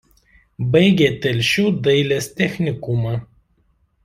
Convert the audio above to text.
Baigė Telšių dailės technikumą.